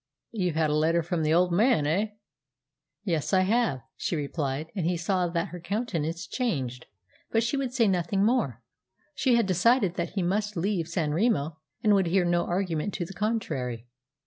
"You've had a letter from the old man, eh?" "Yes, I have," she replied, and he saw that her countenance changed; but she would say nothing more. She had decided that he must leave San Remo, and would hear no argument to the contrary.